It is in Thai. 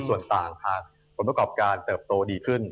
ส่วนต่างหากผลประกอบการเติบโตดีขึ้น